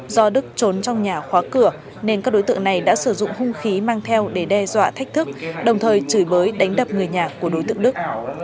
do đức trốn trong nhà khóa cửa nên các đối tượng này đã sử dụng hung khí mang theo để đe dọa thách thức đồng thời chửi bới đánh đập người nhà của đối tượng đức